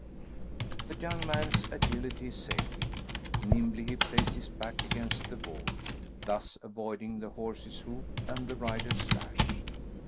The young man's agility saved him. Nimbly he placed his back against the wall, thus avoiding the horse's hoof and the rider's lash.